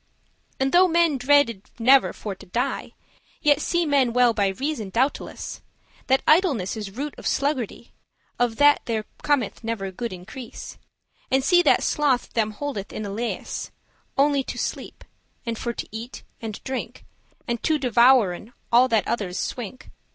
And though men dreaded never for to die, Yet see men well by reason, doubteless, That idleness is root of sluggardy, Of which there cometh never good increase; And see that sloth them holdeth in a leas,* *leash <2> Only to sleep, and for to eat and drink, And to devouren all that others swink.